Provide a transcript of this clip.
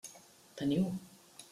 Teniu.